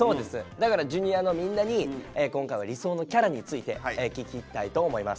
だからＪｒ．のみんなに今回は理想のキャラについて聞きたいと思います。